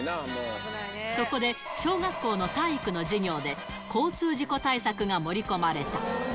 そこで、小学校の体育の授業で、交通事故対策が盛り込まれた。